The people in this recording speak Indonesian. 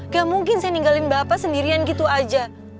gak mungkin saya ninggalin bapak sendirian gitu aja